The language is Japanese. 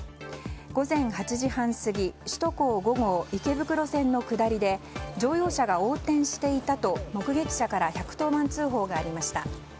午前８時半過ぎ首都高５号池袋線の下りで乗用車が横転していたと目撃者から１１０番通報がありました。